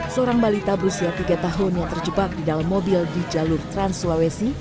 seorang balita berusia tiga tahun yang terjebak di dalam mobil di jalur trans sulawesi